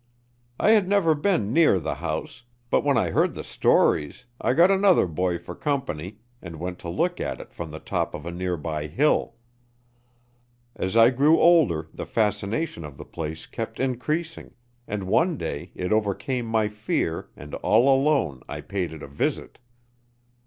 I had never been near the house, but when I heard the stories, I got another boy for company and went to look at it from the top of a near by hill. As I grew older the fascination of the place kept increasing, and one day it overcame my fear and all alone I paid it a visit.